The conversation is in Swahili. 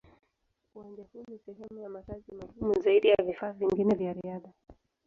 Uwanja huo ni sehemu ya makazi magumu zaidi ya vifaa vingine vya riadha.